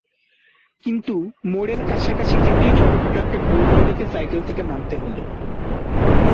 কিন্তু মোড়ের কাছাকাছি যেতেই ছোটখাটো একটা গোলমাল দেখে সাইকেল থেকে নামতে হলো।